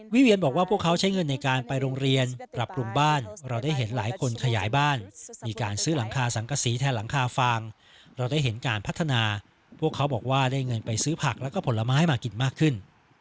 เวียนบอกว่าพวกเขาใช้เงินในการไปโรงเรียนปรับปรุงบ้านเราได้เห็นหลายคนขยายบ้านมีการซื้อหลังคาสังกษีแทนหลังคาฟางเราได้เห็นการพัฒนาพวกเขาบอกว่าได้เงินไปซื้อผักแล้วก็ผลไม้มากินมากขึ้น